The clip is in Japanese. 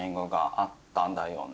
だったんだよね